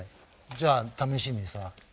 じゃあ試しにさ